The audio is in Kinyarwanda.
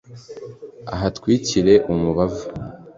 ahatwikire umubavu